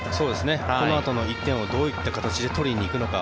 このあとの１点をどういう形で取りに行くのか。